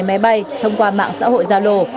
máy bay thông qua mạng xã hội gia lô